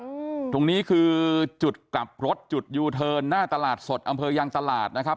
อืมตรงนี้คือจุดกลับรถจุดยูเทิร์นหน้าตลาดสดอำเภอยางตลาดนะครับ